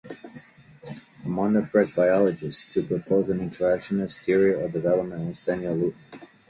Among the first biologists to propose an interactionist theory of development was Daniel Lehrman.